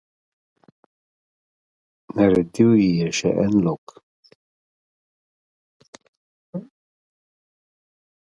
Naredil ji je še en lok.